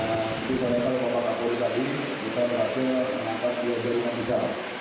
nah seperti saya katakan kita berhasil mengangkat dia dari nk